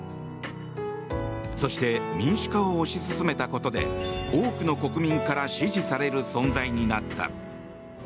そして民主化を推し進めたことで多くの国民から支持される存在になった。